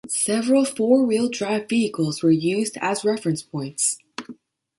Several four-wheel-drive vehicles were used as reference points.